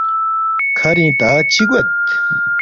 کھرِنگ تا چِہ گوید